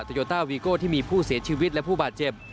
โยต้าวีโก้ที่มีผู้เสียชีวิตและผู้บาดเจ็บ